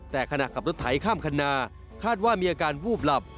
แต่ขณะขับรถไถข้ามคันนาคาดว่ามีอาการวูบหลับ